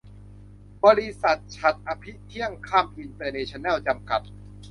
บริษัท ฉัตรอภิเที่ยงค่ำอินเตอร์เนชั่นแนล จำกัด